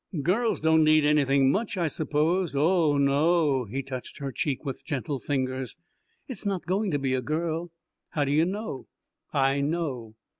"Girls don't need anything much, I suppose oh, no!" He touched her cheek with gentle fingers. "It's not going to be a girl." "How d'you know?" "I know."